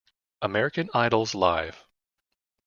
American Idols Live!